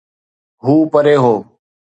هو پري هو.